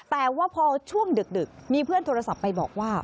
แต่ว่าพอช่วงดึกมีเพื่อนโทรศัพท์ไปบอกว่า